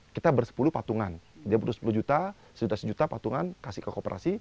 kita bersepuluh patungan dia butuh sepuluh juta sejuta sejuta patungan kasih ke kooperasi